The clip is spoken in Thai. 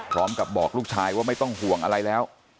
บอกลูกชายว่าไม่ต้องห่วงอะไรแล้ว